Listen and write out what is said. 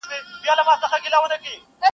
یا ړنده یم زما علاج دي نه دی کړی -